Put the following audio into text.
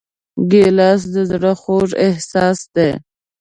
ګیلاس د زړه خوږ احساس دی.